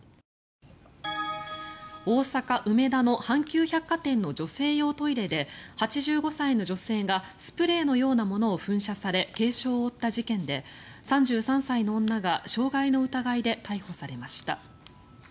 大阪・梅田の阪急百貨店の女性用トイレで８５歳の女性がスプレーのようなものを噴射され軽傷を負った事件で３３歳の女が傷害の疑いで逮捕されました。